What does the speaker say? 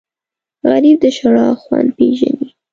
غریب د ژړا خوند پېژني